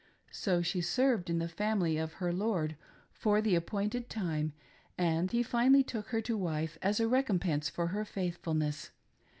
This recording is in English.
So she served in the family of her lord for the appointed time, and he finally took her to wife as a recompense for her faithfulness.